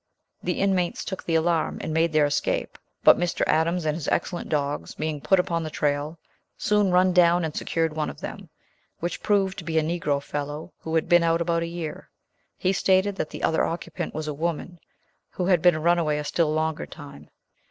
The inmates took the alarm, and made their escape; but Mr. Adams and his excellent dogs being put upon the trail, soon run down and secured one of them, which proved to be a Negro fellow who had been out about a year. He stated that the other occupant was a woman, who had been a runaway a still longer time.